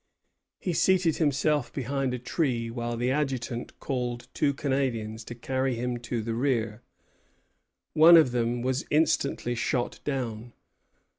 He seated himself behind a tree, while the Adjutant called two Canadians to carry him to the rear. One of them was instantly shot down.